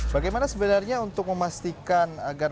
bagaimana sebenarnya untuk memastikan agar